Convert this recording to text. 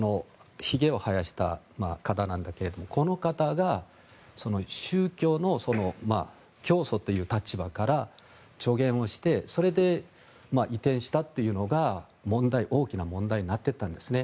ひげを生やした方なんだけどもこの方が宗教の教祖という立場から助言をしてそれで移転したというのが大きな問題になっていったんですね。